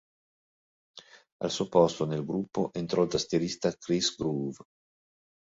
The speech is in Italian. Al suo posto nel gruppo entrò il tastierista Chris Groove.